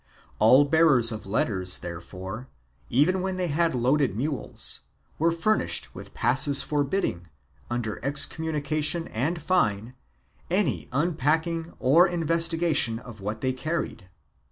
All bearers of letters therefore, even when they had loaded mules, were furnished with passes forbidding, under excommunication and fine, any unpacking or investigation of what they carried.